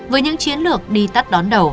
với những chiến lược đi tắt đón đầu